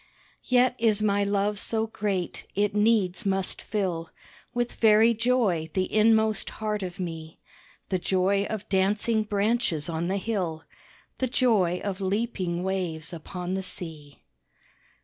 Yet is my love so great it needs must fill With very joy the inmost heart of me, The joy of dancing branches on the hill, The joy of leaping waves upon the sea.